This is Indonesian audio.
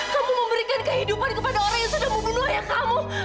kamu memberikan kehidupan kepada orang yang sudah membunuh ayah kamu